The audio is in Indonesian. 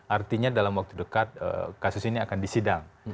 artinya dalam waktu dekat kasus ini akan disidang